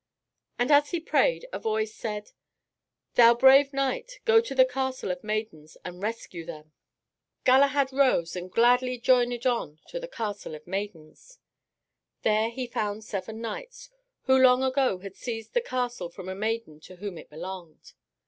And as he prayed a voice said, "Thou brave knight, go to the Castle of Maidens and rescue them." Galahad rose, and gladly journeyed on to the Castle of Maidens. There he found seven knights, who long ago had seized the castle from a maiden to whom it belonged.